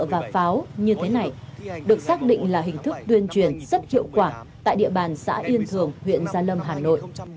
và pháo như thế này được xác định là hình thức tuyên truyền rất hiệu quả tại địa bàn xã yên thường huyện gia lâm hà nội